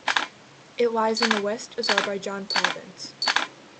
It lies in the West Azarbaijan province.